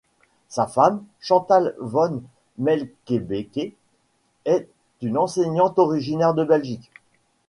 Sa femme, Chantal Van Melkebeke, est une enseignante originaire de Belgique.